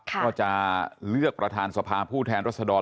ก็จะเลือกประธานสภาผู้แทนรัศดร